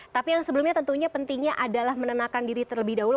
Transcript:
tapi yang sebelumnya tentunya pentingnya adalah menenangkan diri terlebih dahulu